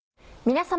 皆様。